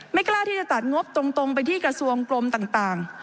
กล้าที่จะตัดงบตรงไปที่กระทรวงกลมต่าง